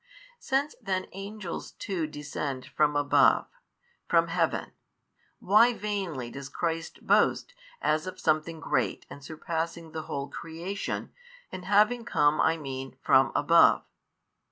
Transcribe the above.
Since then angels too descend from above, from heaven, why vainly does Christ boast as of something great and surpassing the whole creation, in having come I mean from above?